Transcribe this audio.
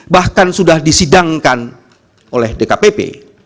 bahkan sudah disidangkan oleh dkpp